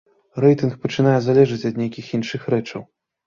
Рэйтынг пачынае залежаць ад нейкіх іншых рэчаў.